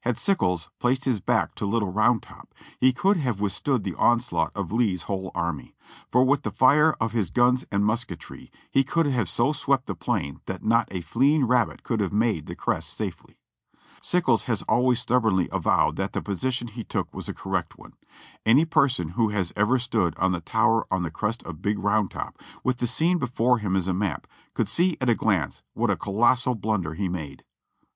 Had Sickles placed his back to Little Round Top, he could have with stood the onslaught of Lee's whole army ; for with the fire of his guns and musketry, he could have so swept the plain that not a fleeing rabbit could have made the crest safely. Sickles has always stubbornly avowed that the position he took was a correct one. Any person w^ho has ever stood on the tower on the crest of Big Round Top, with the scene before him as a map, could see at a glance what a colossal blunder he made.